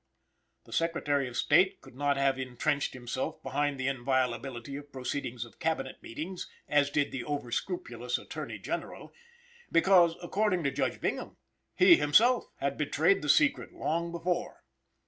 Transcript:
The Secretary of State could not have intrenched himself behind the inviolability of proceedings of Cabinet meetings, as did the over scrupulous Attorney General, because, according to Judge Bingham, he himself had betrayed the secret long before.